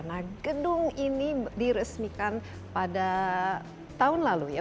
nah gedung ini diresmikan pada tahun lalu ya